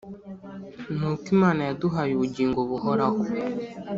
ni uko Imana yaduhaye ubugingo buhoraho,